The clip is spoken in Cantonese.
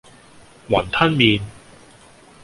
雲吞麪